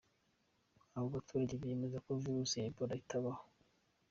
Abo baturage bemeza ko virusi ya Ebola itabaho.